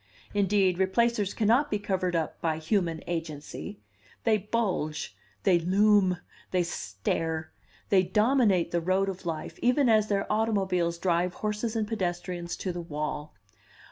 Indeed, Replacers cannot be covered up by human agency; they bulge, they loom, they stare, they dominate the road of life, even as their automobiles drive horses and pedestrians to the wall.